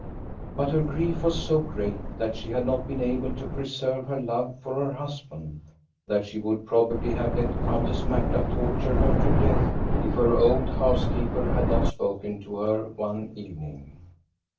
But her grief was so great that she had not been able to preserve her love for her husband that she would probably have let Countess Marta torture her to death, if her old housekeeper had not spoken to her one evening.